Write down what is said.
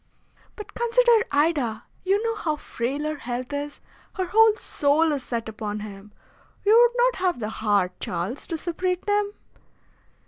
"But consider Ida! You know how frail her health is. Her whole soul is set upon him. You would not have the heart, Charles, to separate them?"